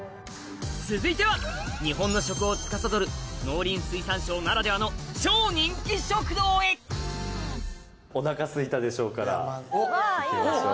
続いては日本の食をつかさどる農林水産省ならではの超人気食堂へお腹すいたでしょうから行きましょう。